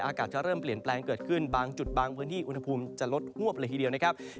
อากาศจะเริ่มเปลี่ยนแปลงเกิดขึ้นบางจุดบางพื้นที่อุณหภูมิจะลดหวบเลยทีเดียวนะครับ